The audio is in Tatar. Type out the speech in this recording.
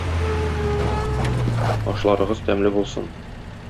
Ашларыгыз тәмле булсын!